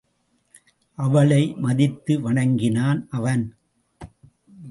அவளை மதித்து வணங்கினான் அவன்.